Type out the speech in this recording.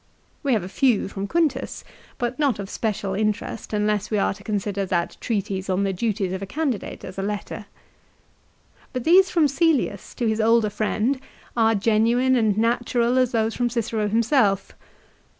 We have a few from Quintus, but not of special interest unless we are to consider that treatise on the duties of a candidate as a letter. But these from Cselius to his older friend are genuine and natural as those from Cicero himself.